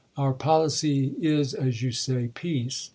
Our policy is, as you say, peace.